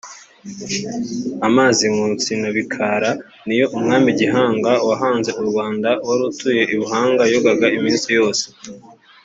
Amazi ya Nkotsi na Bikara niyo umwami Gihanga wahanze u Rwanda wari utuye i Buhanga yogaga iminsi yose